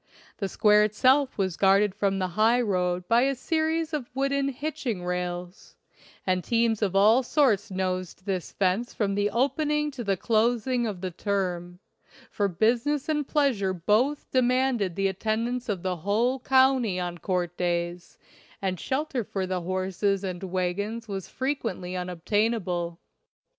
The square itself was guarded from the highroad by a series of wooden hitching rails, and teams of all sorts nosed this fence from the opening to the closing of the term; for business and pleasure both demand the attendance of the whole county 171 LINCOLN THE LAWYER on court days, and shelter for the horses and wagons was frequently unobtainable.